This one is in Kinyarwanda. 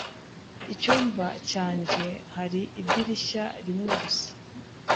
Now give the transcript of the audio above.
Icyumba cyanjye hari idirishya rimwe gusa.